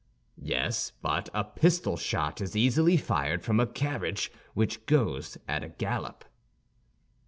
"Yes; but a pistol shot is easily fired from a carriage which goes at a gallop."